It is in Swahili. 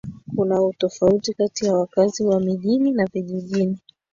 Kuna utofauti kati ya wakazi wa mijini na vijijini